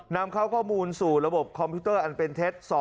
นำเข้าข้อมูลสู่ระบบคอมพิวเตอร์อันเป็นเท็จ